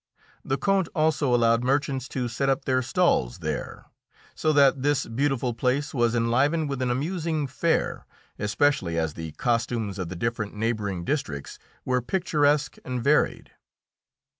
The Count also allowed merchants to set up their stalls there, so that this beautiful place was enlivened with an amusing fair, especially as the costumes of the different neighbouring districts were picturesque and varied.